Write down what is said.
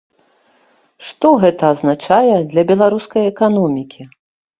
Што гэта азначае для беларускай эканомікі?